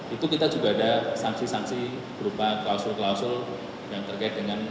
itu kita juga ada sanksi sanksi berupa klausul klausul yang terkait dengan